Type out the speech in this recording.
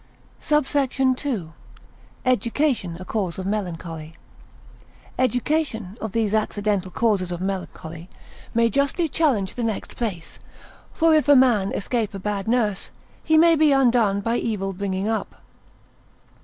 SUBSECT. II.—Education a Cause of Melancholy. Education, of these accidental causes of melancholy, may justly challenge the next place, for if a man escape a bad nurse, he may be undone by evil bringing up.